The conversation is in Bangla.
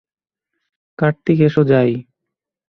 কার্তিক এসো যাই।